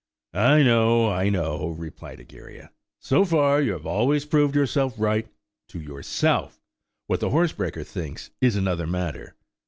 "I know, I know," replied Egeria, "so far you have always proved yourself right to yourself: what the horsebreaker thinks is another matter.